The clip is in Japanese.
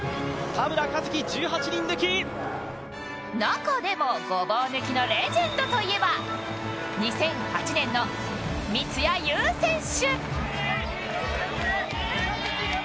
中でもごぼう抜きのレジェンドといえば２００８年の三津谷祐選手。